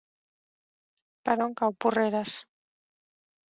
Per on cau Porreres?